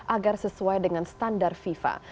agar sesuai dengan standar fifa